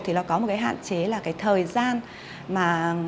thì nó có một cái hạn chế là cái thời gian mà